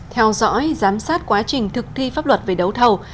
theo dõi giám sát quá trình thực thi pháp luật về đấu thầu